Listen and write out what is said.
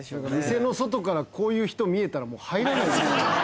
店の外からこういう人見えたらもう入らないですよね。